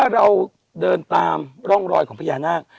เราเดินตามร่องรอยของพญานาค